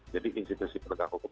jadi institusi penegakan hukum